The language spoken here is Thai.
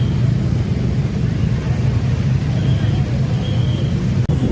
และกลายเป้าหมาย